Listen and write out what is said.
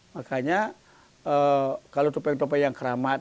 makanya kalau topeng topeng yang keramat